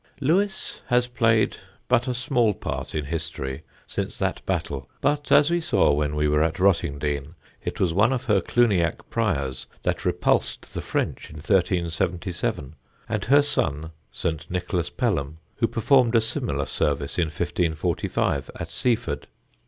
Lewes has played but a small part in history since that battle; but, as we saw when we were at Rottingdean, it was one of her Cluniac priors that repulsed the French in 1377, and her son, Sir Nicholas Pelham, who performed a similar service in 1545, at Seaford.